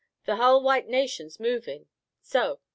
The hull white nation's movin'. So.